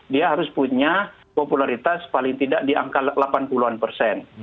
dia harus punya popularitas paling tidak di angka delapan puluh an persen